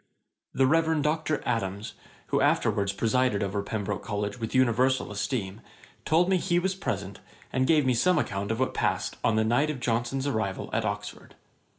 19.] The Reverend Dr. Adams, who afterwards presided over Pembroke College with universal esteem, told me he was present, and gave me some account of what passed on the night of Johnson's arrival at Oxford.